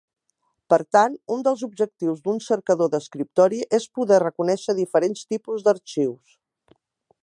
Per tant, un dels objectius d'un cercador d'escriptori és poder reconèixer diferents tipus d'arxius.